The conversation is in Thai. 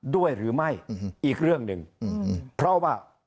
ด้วยหรือไม่อีกเรื่องหนึ่งเพราะว่า